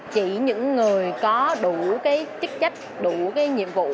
chỉ những người có đủ chức trách đủ nhiệm vụ